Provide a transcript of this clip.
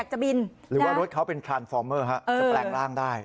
จะบินหรือว่ารถเขาเป็นครานฟอร์เมอร์จะแปลงร่างได้